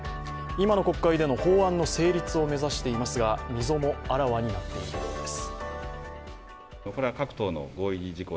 今の国会での法案に成立を目指していますが、溝もあらわになっているようです。